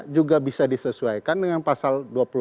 juga bisa disesuaikan dengan pasal dua puluh delapan